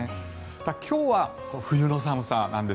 今日は冬の寒さなんです。